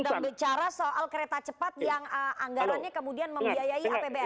kita bicara soal kereta cepat yang anggarannya kemudian membiayai apbn